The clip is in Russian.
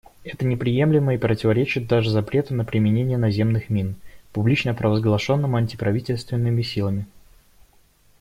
Это неприемлемо и противоречит даже запрету на применение наземных мин, публично провозглашенному антиправительственными силами.